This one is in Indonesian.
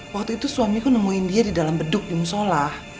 waktu itu suamiku nemuin dia di dalam beduk di musola